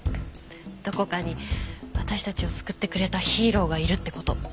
どこかに私たちを救ってくれたヒーローがいるって事。